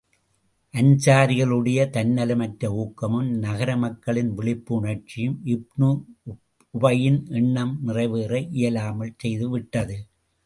அன்சாரிகளுடைய தன்னலமற்ற ஊக்கமும், நகர மக்களின் விழிப்பு உணர்ச்சியும் இப்னு உபையின் எண்ணம் நிறைவேற இயலாமல் செய்து விட்டது.